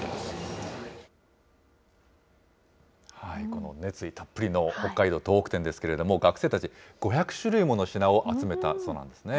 この熱意たっぷりのホッカイドウトウホク展ですけども、学生たち、５００種類もの品を集めたそうなんですね。